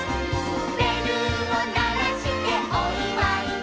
「べるをならしておいわいだ」